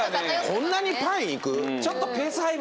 こんなにパン行く？